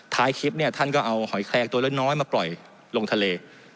ท้ายคลิปเนี่ยท่านก็เอาหอยแคลงตัวน้อยมาปล่อยลงทะเล